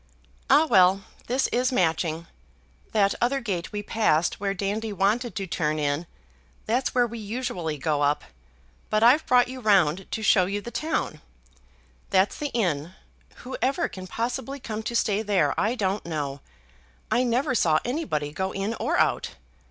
Ah, well; this is Matching. That other gate we passed, where Dandy wanted to turn in, that's where we usually go up, but I've brought you round to show you the town. That's the inn, whoever can possibly come to stay there I don't know; I never saw anybody go in or out.